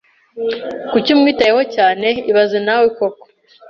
Kuki umwitayeho cyane ibaze nawe koko